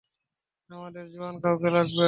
আমাদের জোয়ান কাউকে লাগবে!